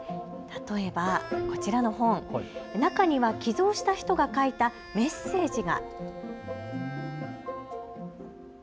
例えば、こちらの本、中には寄贈した人が書いたメッセージが。